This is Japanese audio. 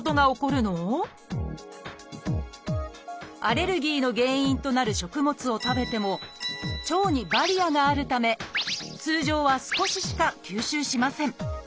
アレルギーの原因となる食物を食べても腸にバリアがあるため通常は少ししか吸収しません。